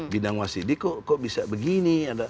bidang wasidik kok bisa begini